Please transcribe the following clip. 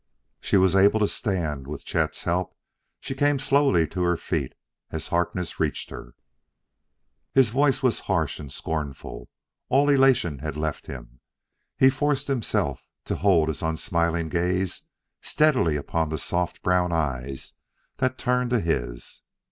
She was able to stand, and with Chet's help she came slowly to her feet as Harkness reached her. His voice was harsh and scornful; all elation had left him. He forced himself to hold his unsmiling gaze steadily upon the soft brown eyes that turned to his.